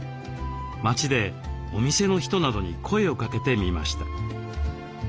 町でお店の人などに声をかけてみました。